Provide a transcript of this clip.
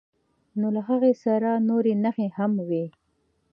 نو له هغې سره نورې نښې هم وي.